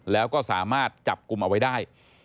แล้วก็สามารถจับกลุ่มเอาไว้ได้